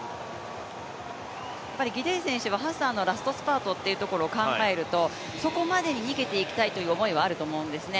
ギデイ選手はハッサンのラストスパートを考えるとそこまでに逃げていきたいという思いはあると思うんですね。